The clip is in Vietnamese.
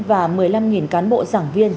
và một mươi năm cán bộ giảng viên